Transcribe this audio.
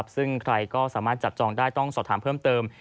ซึ่งใครก็สามารถจับจองได้ต้องสอบถามเพิ่มเติม